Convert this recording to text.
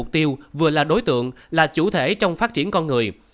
điều vừa là đối tượng là chủ thể trong phát triển con người